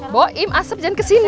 bawain asep jangan kesini